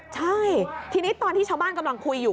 ใช่ทีนี้ตอนที่ชาวบ้านกำลังคุยอยู่